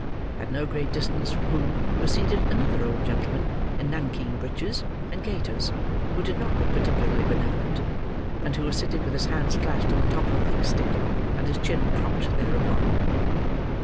At no great distance from whom, was seated another old gentleman, in nankeen breeches and gaiters; who did not look particularly benevolent, and who was sitting with his hands clasped on the top of a thick stick, and his chin propped thereupon.